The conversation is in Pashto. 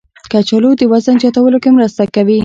کچالو د وزن زیاتولو کې مرسته کوي.